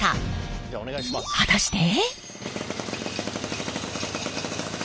果たして？